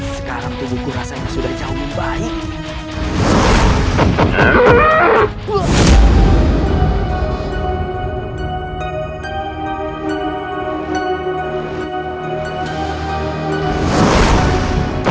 sekarang tubuhku rasanya sudah jauh lebih baik